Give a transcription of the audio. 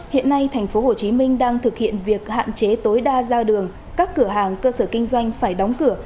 hiện nay tp hcm đang thực hiện việc hạn chế tối đa ra đường các cửa hàng cơ sở kinh doanh phải đóng cửa